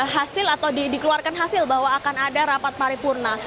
hasil atau dikeluarkan hasil bahwa akan ada rapat paripurna